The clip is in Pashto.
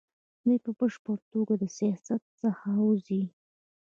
دوی په بشپړه توګه له سیاست څخه وځي.